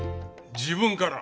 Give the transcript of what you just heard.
自分から。